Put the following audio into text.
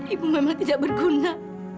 ibu memang tidak berguna